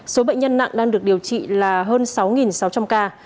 số bệnh nhân nặng đang được điều trị là hơn sáu sáu trăm linh ca